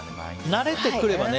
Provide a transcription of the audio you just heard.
慣れてくればね。